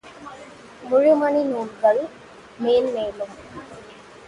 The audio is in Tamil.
முழுமணி நூல்கள் மேன்மேலும்